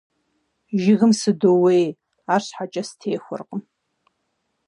Жыгым сыдоуей, арщхьэкӀэ сытехуэркъым.